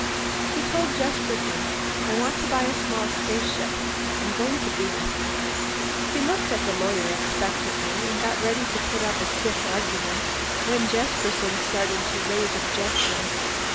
He told Jesperson, "I want to buy a small spaceship. I'm going to Venus." He looked at the lawyer expectantly and got ready to put up a stiff argument when Jesperson started to raise objections.